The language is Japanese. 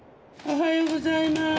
おはようございます。